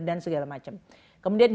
dan segala macam kemudian